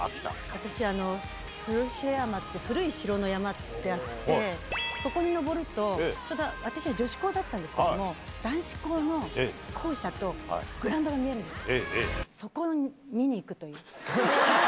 私、古城山って、古い城の山ってあって、そこに登ると、ちょうど、私は女子校だったんですけども、男子校の校舎とグラウンドが見えるんです。